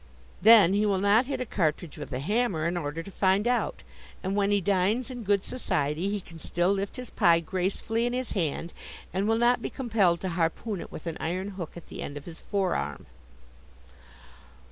Then he will not hit a cartridge with a hammer in order to find out, and when he dines in good society he can still lift his pie gracefully in his hand, and will not be compelled to harpoon it with an iron hook at the end of his fore arm.